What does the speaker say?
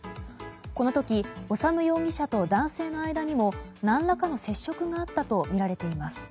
この時、修容疑者と男性の間にも何らかの接触があったとみられています。